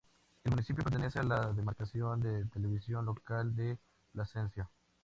El municipio pertenece a la demarcación de televisión local de Plasencia.